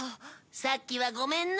さっきはごめんな。